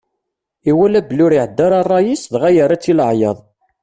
Iwala belli ur iɛedda ara ṛṛay-is, dɣa yerra-tt i leɛyaḍ.